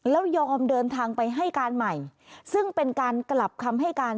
แล้วยอมเดินทางไปให้การใหม่ซึ่งเป็นการกลับคำให้การ